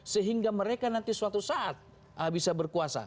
sehingga mereka nanti suatu saat bisa berkuasa